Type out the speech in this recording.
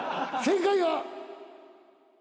正解は。